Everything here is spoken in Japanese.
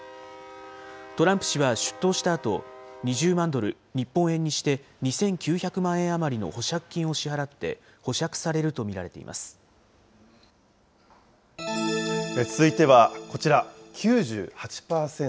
トランプ氏は出頭したあと、２０万ドル、日本円にして２９００万円余りの保釈金を支払って、保釈されると続いてはこちら、９８％。